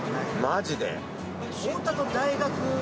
マジで？